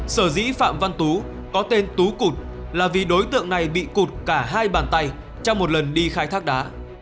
sở dĩ phạm văn tú có tên tú cụt là vì đối tượng này bị cụt cả hai bàn tay trong một lần đi khai thác đá